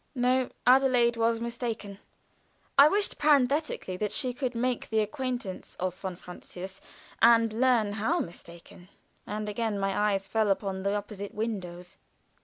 No. Adelaide was mistaken. I wished, parenthetically, that she could make the acquaintance of von Francius, and learn how mistaken and again my eyes fell upon the opposite windows.